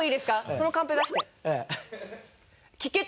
そのカンペ出して！